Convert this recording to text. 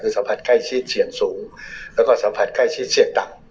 สัมผัสใกล้ชิดเสี่ยงสูงแล้วก็สัมผัสใกล้ชิดเสี่ยงต่ำ